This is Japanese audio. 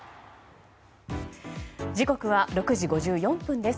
時刻は６時５４分です。